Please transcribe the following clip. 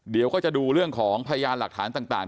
เดี๋ยวก็จะดูเรื่องของพยานหลักฐานต่าง